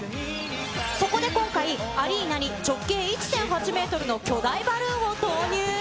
そこで今回、アリーナに直径１．８メートルの巨大バルーンを投入。